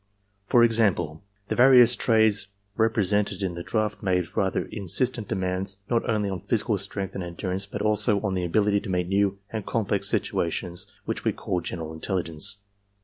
"For example, the various trades represented in the draft made rather insistent demands not only on physical strength and endurance but also on that ability to meet new and complex situations which we call general intelligence.